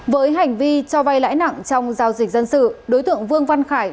với hành vi cho vay lãi nặng trong giao dịch dân sự đối tượng vương văn khải